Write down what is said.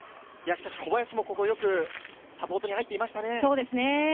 小林もよくサポートに入っていましたね。